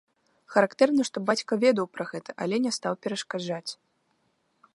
Характэрна, што бацька ведаў пра гэта, але не стаў перашкаджаць.